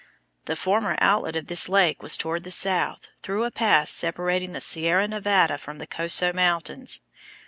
The former outlet of this lake was toward the south, through a pass separating the Sierra Nevada from the Coso Mountains.